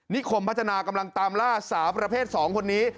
คมพัฒนากำลังตามล่าสาวประเภท๒คนนี้